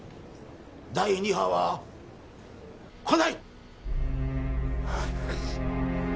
☎第二波は☎来ない！